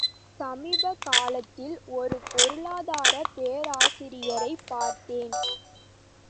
சமீப காலத்தில் ஒரு பொருளாதாரப் பேராசிரியரைப் பார்த்தேன்.